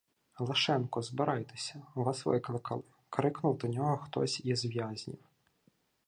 — Лашенко, збирайтеся! Вас викликали! — крикнув до нього хтось із в’язнів.